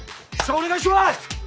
お願いします！